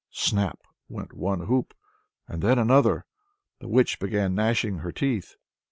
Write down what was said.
Snap went one hoop and then another. The witch began gnashing her teeth.